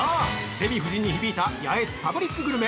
デヴィ夫人に響いたヤエスパブリックグルメ